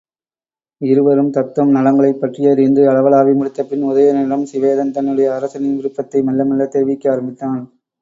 இருவரும் தத்தம் நலங்களைப் பற்றியறிந்து அளவளாவி முடிந்தபின் உதயணனிடம் சிவேதன் தன்னுடைய அரசனின் விருப்பத்தை மெல்லத் தெரிவிக்க ஆரம்பித்தான்.